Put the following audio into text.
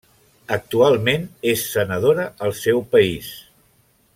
Actualment és senadora al seu país.